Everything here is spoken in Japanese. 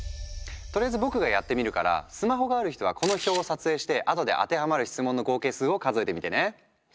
とりあえず僕がやってみるからスマホがある人はこの表を撮影してあとで当てはまる質問の合計数を数えてみてね。